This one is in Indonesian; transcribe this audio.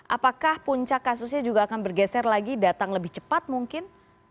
apakah puncak kasusnya juga akan bergeser lagi datang lebih cepat mungkin